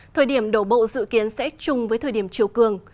thời điểm đổ bộ dự kiến sẽ chung với thời điểm chiều cường